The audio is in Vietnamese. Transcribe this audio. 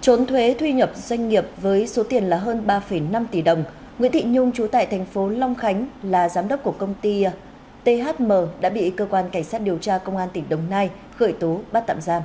trốn thuế thu nhập doanh nghiệp với số tiền là hơn ba năm tỷ đồng nguyễn thị nhung trú tại thành phố long khánh là giám đốc của công ty thm đã bị cơ quan cảnh sát điều tra công an tỉnh đồng nai khởi tố bắt tạm giam